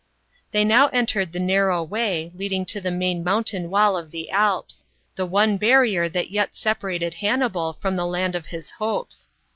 They now entered the narrow way, leading to the main mountain wall of the Alps ; the one barrier, that yet separated Hannibal from the land of his hopes.